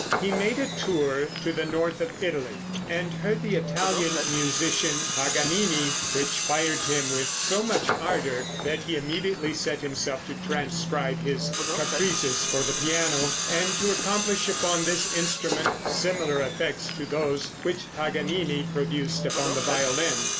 He made a tour to the north of Italy, and heard the Italian musician Paganini, which fired him with so much ardor, that he immediately set himself to transcribe his Caprices for the piano, and to accomplish upon this instrument similar effects to those which Paganini produced upon the violin.